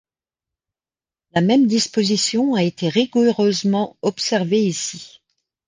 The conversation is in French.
La même disposition a été rigoureusement observée ici.